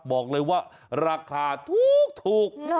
บอกเลยว่าราคาถูก